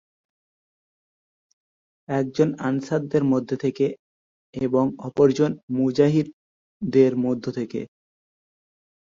একজন আনসারদের মধ্যে থেকে এবং অপরজন মুহাজির দের মধ্য থেকে।